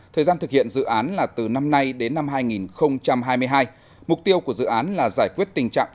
thời gian thực hiện dự án là từ năm nay đến năm hai nghìn hai mươi hai mục tiêu của dự án là giải quyết tình trạng